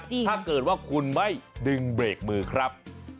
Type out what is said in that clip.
ถ้าเกิดว่าคุณไม่ดึงเบรกมือครับ